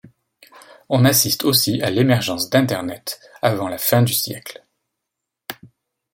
On assiste aussi à l'émergence d'Internet avant la fin du siècle.